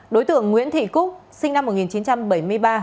đối tượng nguyễn thị cúc sinh năm một nghìn chín trăm bảy mươi ba